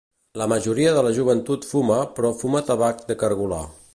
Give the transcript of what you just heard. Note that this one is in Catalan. La majoria de la joventut fuma, però fuma tabac de cargolar.